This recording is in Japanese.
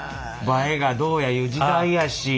映えがどうやいう時代やし。